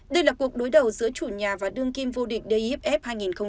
đây là cuộc đối đầu giữa chủ nhà và đương kim vô địch diff hai nghìn hai mươi ba